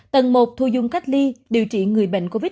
tầng một thu dung cách ly điều trị người bệnh covid một mươi